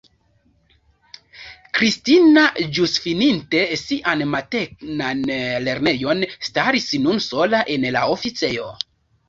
Kristina, ĵus fininte sian matenan lernejon, staris nun sola en la oficejo.